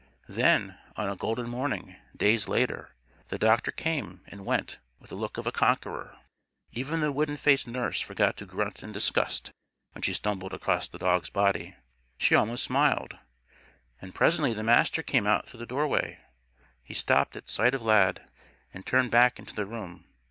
Then on a golden morning, days later, the doctor came and went with the look of a Conqueror. Even the wooden faced nurse forgot to grunt in disgust when she stumbled across the dog's body. She almost smiled. And presently the Master came out through the doorway. He stopped at sight of Lad, and turned back into the room.